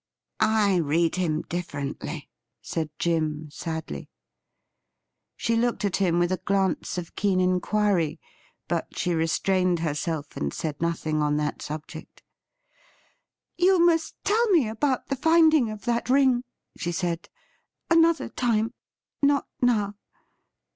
' I read him differently,' said Jim sadly. She looked at him with a glance of keen inquiry, but she restrained herself and said nothing on that subject. ' You must tell me about the finding of that ring,' she said, ' another time, not now.